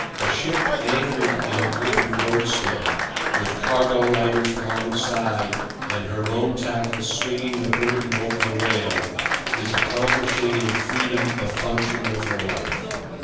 A ship anchored in an open roadstead, with cargo lighters alongside and her own tackle swinging the burden over the rail, is accomplishing in freedom a function of her life.